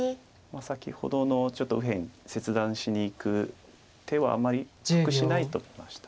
先ほどのちょっと右辺切断しにいく手はあまり得しないと見ました。